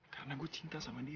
karena gue cinta sama dia